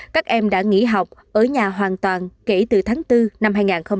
các em đã nghỉ học ở nhà hoàn toàn kể từ tháng bốn năm hai nghìn hai mươi